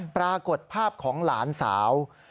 ปรากฏภาพของหลานสาว